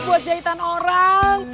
buat jahitan orang